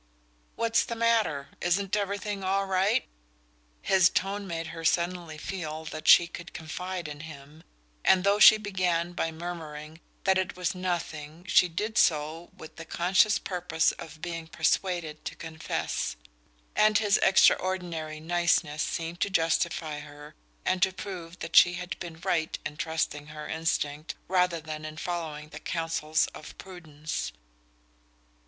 "What's the matter? Isn't everything all right?" His tone made her suddenly feel that she could confide in him, and though she began by murmuring that it was nothing she did so with the conscious purpose of being persuaded to confess. And his extraordinary "niceness" seemed to justify her and to prove that she had been right in trusting her instinct rather than in following the counsels of prudence.